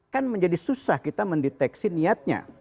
kan menjadi susah kita mendeteksi niatnya